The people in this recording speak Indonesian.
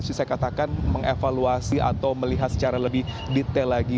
bisa saya katakan mengevaluasi atau melihat secara lebih detail lagi